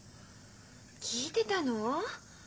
聞いてたの？